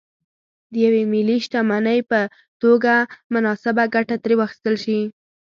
د یوې ملي شتمنۍ په توګه مناسبه ګټه ترې واخیستل شي.